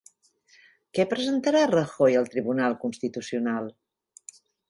Què presentarà Rajoy al Tribunal Constitucional?